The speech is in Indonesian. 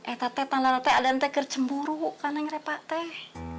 eh teteh tangan teteh ada nanti kercemburu karena ngerepak teh